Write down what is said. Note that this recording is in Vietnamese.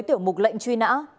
tiểu mục lệnh truy nã